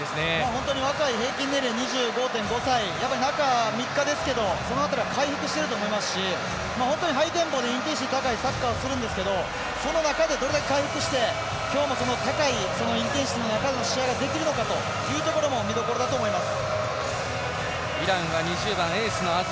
本当に若い、平均年齢２５．５歳、中３日ですけどその辺りは回復してると思いますし本当にハイテンポのサッカーをするんですけどその中でどれだけ回復して今日、その中でどういう試合ができるのかというところも見どころだと思います。